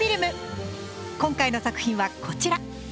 今回の作品はこちら。